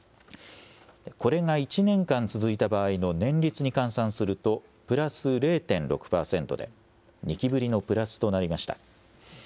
これが１年間続いた場合の年率に換算するとプラス０．６％で、２期ぶりのプラスとなりました。